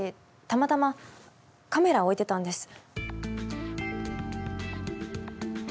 たまたまカメラを置いてたんです。